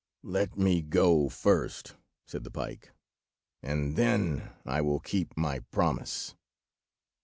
"Let me go first," said the pike, "and then I will keep my promise."